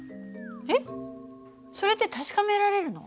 えっそれって確かめられるの？